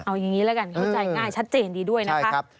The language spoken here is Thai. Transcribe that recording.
เอาอย่างนี้แล้วกันเข้าใจง่ายชัดเจนดีด้วยนะคะ